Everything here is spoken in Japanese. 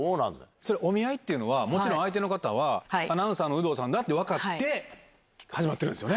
それ、お見合いっていうのは、もちろん相手の方はアナウンサーの有働さんだって分かって、はい。